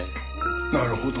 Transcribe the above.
なるほど。